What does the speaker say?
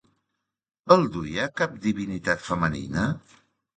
El duia cap divinitat femenina?